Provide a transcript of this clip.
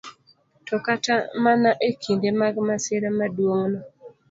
To kata mana e kinde mag masira maduong'no,